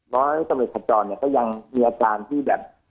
ร้อยตำรวจเอกขจรก็ยังมีอาจารย์ที่แบบ